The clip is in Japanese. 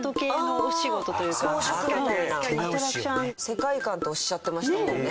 「世界観」とおっしゃってましたもんね。